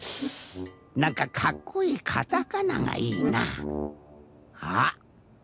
なんかかっこいいカタカナがいいな。